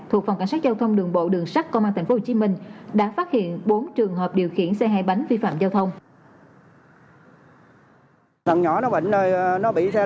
thuộc phòng cảnh sát giao thông đường bộ đường sắt công an tp hcm đã phát hiện bốn trường hợp điều khiển xe hai bánh vi phạm giao thông